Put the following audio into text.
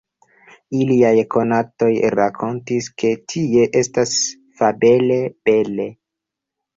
Iliaj konatoj rakontis, ke tie estas fabele bele.